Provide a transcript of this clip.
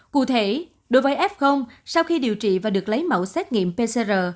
cụ thể đối với f sau khi điều trị và được lấy mẫu xét nghiệm pcr